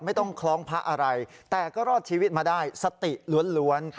ไม่ต้องคล้องพระอะไรแต่ก็รอดชีวิตมาได้สติล้วน